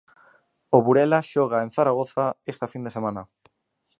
O Burela xoga en Zaragoza esta fin de semana.